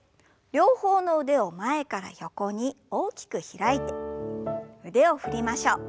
両方の腕を前から横に大きく開いて腕を振りましょう。